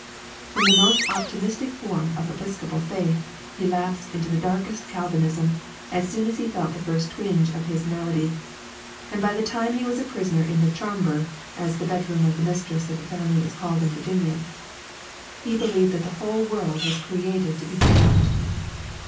From the most optimistic form of Episcopal faith, he lapsed into the darkest Calvinism as soon as he felt the first twinge of his malady, and by the time he was a prisoner in the "charmber," as the bedroom of the mistress of the family is called in Virginia, he believed that the whole world was created to be damned.